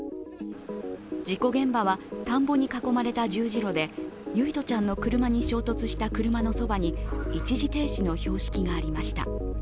事故現場は田んぼに囲まれた十字路で唯叶ちゃんの車に衝突した車のそばに一時停止標識がありました。